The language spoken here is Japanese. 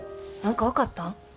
何か分かったん？